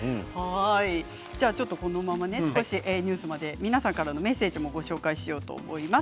ニュースまで皆さんからのメッセージをご紹介しようと思います。